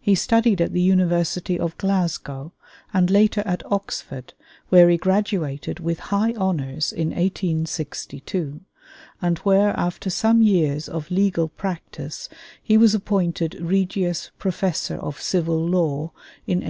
He studied at the University of Glasgow and later at Oxford, where he graduated with high honors in 1862, and where after some years of legal practice he was appointed Regius Professor of Civil Law in 1870.